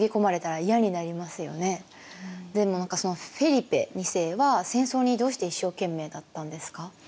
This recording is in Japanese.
でもフェリペ２世は戦争にどうして一生懸命だったんですか？